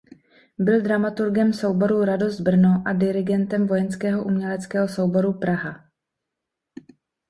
Byl dramaturgem souboru "Radost Brno" a dirigentem "Vojenského uměleckého souboru Praha".